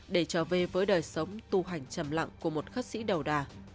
để trở về với đời sống tu hành chầm lặng của một khất sĩ đầu đà